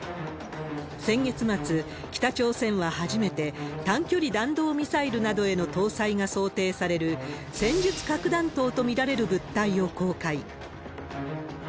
先月末、北朝鮮は初めて、短距離弾道ミサイルなどへの搭載が想定される戦術核弾頭と見られる物体を公開。